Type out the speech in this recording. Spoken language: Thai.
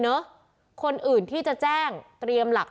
ก็กลายเป็นว่าติดต่อพี่น้องคู่นี้ไม่ได้เลยค่ะ